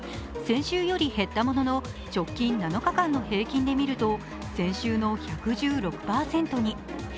先週より減ったものの直近７日間の平均で見ると先週の１１６％に。